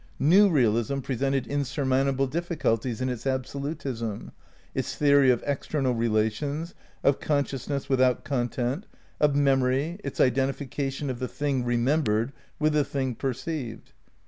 New realism presented insurmountable difficulties in its absolutism ; its theory of external relations ; of con sciousness without content; of memory, its identifica tion of the thing remembered with the thing perceived.